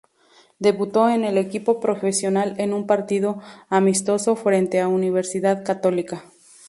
Debutó en el equipo profesional en un partido amistoso frente a Universidad Católica.